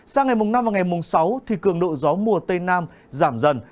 sang ngày mùng năm và ngày mùng sáu cường độ gió mùa tây nam giảm dần